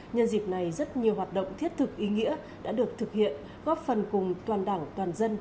nhân dịp này rất nhiều hoạt động thiết thực ý nghĩa đã được thực hiện góp phần cùng toàn đảng toàn dân